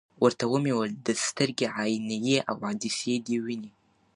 ورته ومي ویل: د سترګي عینیې او عدسیې دي وینې ؟